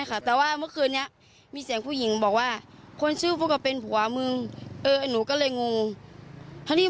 เขาโทรให้ฟลุ๊กออกมาเคลียร์เรื่องอะไร